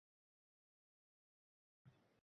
koʼchirib oʼtqazgan